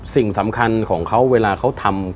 สิ่งสำคัญของเขาเวลาเขาทำ